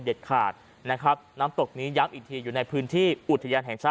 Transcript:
ขาดนะครับน้ำตกนี้ย้ำอีกทีอยู่ในพื้นที่อุทยานแห่งชาติ